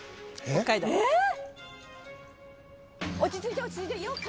えっ！？